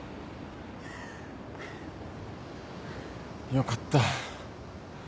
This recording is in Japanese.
よかった。